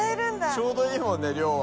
ちょうどいいもんね量は。